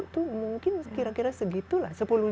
itu mungkin kira kira segitulah